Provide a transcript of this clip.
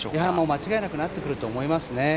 間違いなくなってくると思いますね。